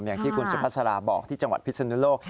อย่างที่คุณสุภาษาราบอกที่จังหวัดพิศนุโลก